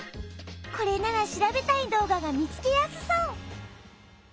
これなら調べたい動画が見つけやすそう。